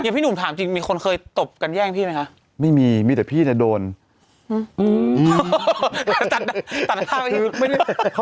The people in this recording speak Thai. พี่หนุ่มถามจริงมีคนเคยตบกันแย่งพี่ไหมคะ